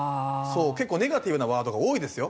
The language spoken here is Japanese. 結構ネガティブなワードが多いですよ